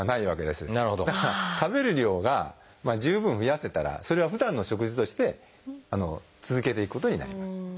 だから食べる量が十分増やせたらそれはふだんの食事として続けていくことになります。